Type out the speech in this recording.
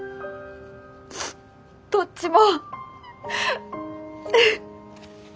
どっちも！